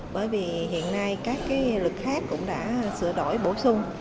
bởi vì hiện nay các luật khác cũng đã sửa đổi bổ sung